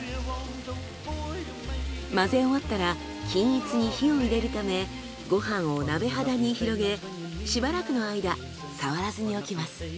混ぜ終わったら均一に火を入れるためご飯を鍋肌に広げしばらくの間触らずにおきます。